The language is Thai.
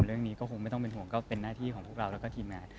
เรื่องนี้ก็คงไม่ต้องเป็นห่วงก็เป็นหน้าที่ของพวกเราแล้วก็ทีมงาน